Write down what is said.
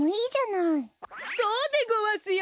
そうでごわすよ。